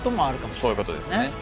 そういうことですね。